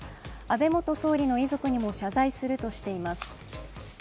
安倍元総理の遺族にも謝罪するとしています。